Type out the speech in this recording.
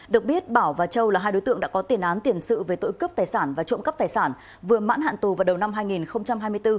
được biết bảo và châu là hai đối tượng đã có tiền án tiền sự về tội cướp tài sản và trộm cắp tài sản vừa mãn hạn tù vào đầu năm hai nghìn hai mươi bốn